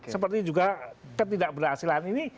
seperti juga ketidakberhasilan ini